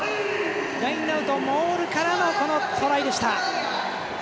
ラインアウトモールからのトライでした。